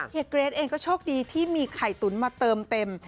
เกรทเองก็โชคดีที่มีไข่ตุ๋นมาเติมเต็ม